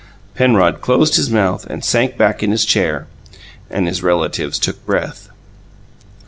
Penrod closed his mouth and sank back in his chair and his relatives took breath.